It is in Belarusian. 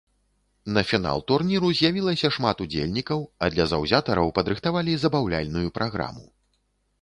На фінал турніру з'явілася шмат удзельнікаў, а для заўзятараў падрыхтавалі забаўляльную праграму.